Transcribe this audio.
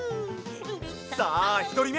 さあひとりめ！